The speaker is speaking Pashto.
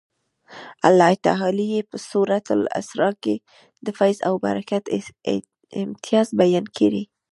الله تعالی یې په سورة الاسرا کې د فیض او برکت امتیاز بیان کړی.